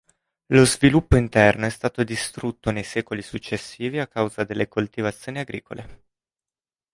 Lo sviluppo interno è stato distrutto nei secoli successivi a causa delle coltivazioni agricole.